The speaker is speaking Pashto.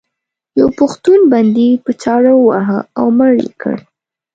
یو پښتون بندي په چاړه وواهه او مړ یې کړ.